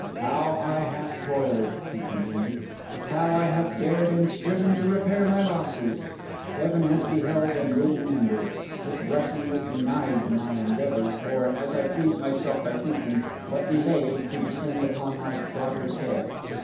'How I have toiled,' he continued, 'how I have dared and striven to repair my losses, Heaven has beheld and will remember. Its blessing was denied to my endeavours, or, as I please myself by thinking, but delayed to descend upon my daughter's head.